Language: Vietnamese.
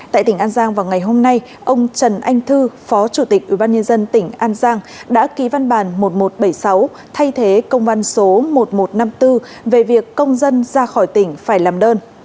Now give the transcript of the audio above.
tại tỉnh an giang vào ngày hôm nay ông trần anh thư phó chủ tịch ubnd tỉnh an giang đã ký văn bản một nghìn một trăm bảy mươi sáu thay thế công văn số một nghìn một trăm năm mươi bốn về việc công dân ra khỏi tỉnh phải làm đơn